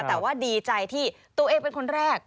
แต่ว่าดีใจที่ตัวเองเป็นคนแรก